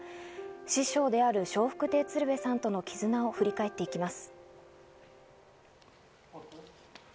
師匠である笑福亭鶴瓶さんとの絆を振り返っていきます。